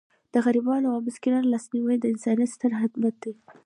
د غریبانو او مسکینانو لاسنیوی د انسانیت ستر خدمت دی.